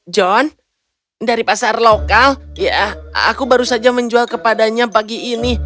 john dari pasar lokal ya aku baru saja menjual kepadanya pagi ini